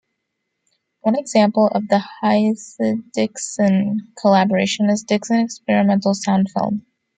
One example of the Heise-Dickson collaboration is Dickson Experimental Sound Film.